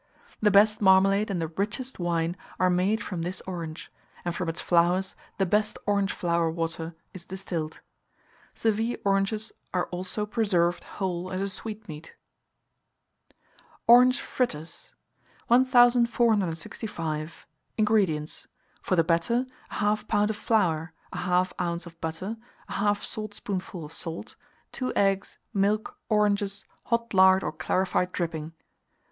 The best marmalade and the richest wine are made from this orange; and from its flowers the best orange flower water is distilled. Seville oranges are also preserved whole as a sweetmeat. ORANGE FRITTERS. 1465. INGREDIENTS. For the batter, 1/2 lb. of flour, 1/2 oz. of butter, 1/2 saltspoonful of salt, 2 eggs, milk, oranges, hot lard or clarified dripping.